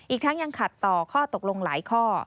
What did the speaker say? อีกทั้งยังขัดต่อข้อตกลงหลายข้อ